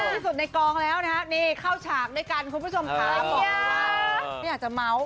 บอกเลยว่าไม่อยากจะเม้าท์